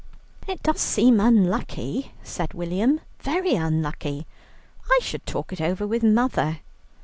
"It does seem unlucky," said William, "very unlucky. I should talk it over with mother."